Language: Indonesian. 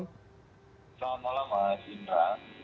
selamat malam mas indra